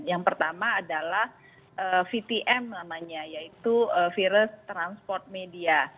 yang pertama adalah vtm namanya yaitu virus transport media